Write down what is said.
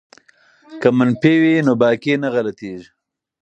که منفي وي نو باقی نه غلطیږي.